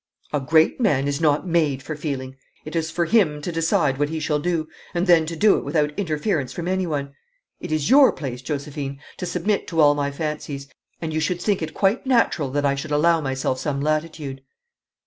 'A great man is not made for feeling. It is for him to decide what he shall do, and then to do it without interference from anyone. It is your place, Josephine, to submit to all my fancies, and you should think it quite natural that I should allow myself some latitude.'